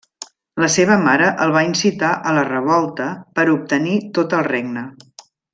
La seva mare el va incitar a la revolta per obtenir tot el regne.